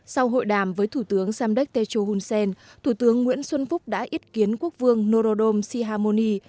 sau hội đàm với thủ tướng samdek techo hun sen thủ tướng nguyễn xuân phúc đã ít kiến quốc vương norodom sihamoni